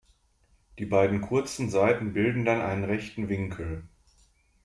Die beiden kurzen Seiten bilden dann einen rechten Winkel.